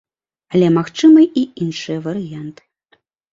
Але магчымыя і іншыя варыянты.